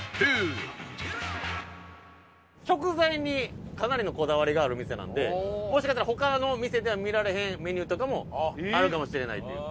食材にかなりのこだわりがある店なのでもしかしたら他の店では見られへんメニューとかもあるかもしれないという。